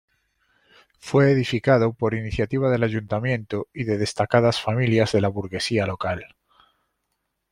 Fue edificado por iniciativa del ayuntamiento y de destacadas familias de la burguesía local.